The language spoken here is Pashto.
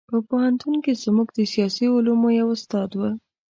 په پوهنتون کې زموږ د سیاسي علومو یو استاد و.